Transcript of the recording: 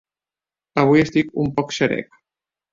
Avui estic un poc xerec.